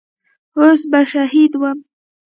اوس به شهيد وم.